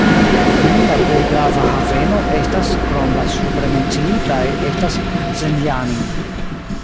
Nun la plej grava haveno estas krom la supre menciitaj estas Zrenjanin.